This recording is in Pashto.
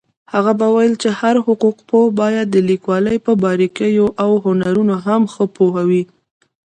هغە به ویل هر حقوقپوه باید د لیکوالۍ په باريكييواو هنرونو هم ښه پوهوي.